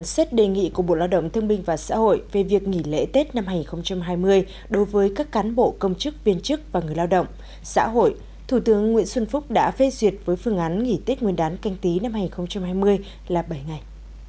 xét đề nghị của bộ lao động thương minh và xã hội về việc nghỉ lễ tết năm hai nghìn hai mươi đối với các cán bộ công chức viên chức và người lao động xã hội thủ tướng nguyễn xuân phúc đã phê duyệt với phương án nghỉ tết nguyên đán canh tí năm hai nghìn hai mươi là bảy ngày